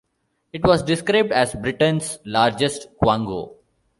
It was described as Britain's largest Quango.